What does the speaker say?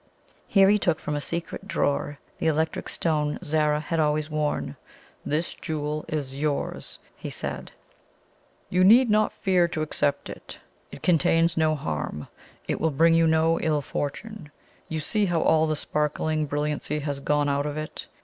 Here he took from a secret drawer the electric stone Zara had always worn. "This jewel is yours," he said. "You need not fear to accept it it contains no harm! it will bring you no ill fortune. You see how all the sparkling brilliancy has gone out of it?